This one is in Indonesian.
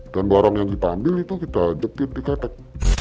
barang yang kita ambil itu kita detip di ketek